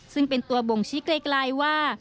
ซึ่งเป็นตัวบ่งชิกเล็กว่า